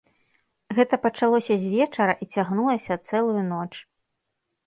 Гэта пачалося звечара і цягнулася цэлую ноч.